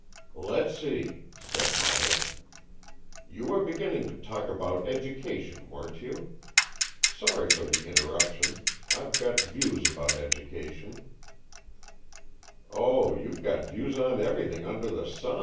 "Let's see," said Myas, "you were begin ning to talk about education, weren't you? AN EXCHANGE OF SOULS 71 Sorry for the interruption. Fve got views about education." " Oh, you've got views on everything under the sun."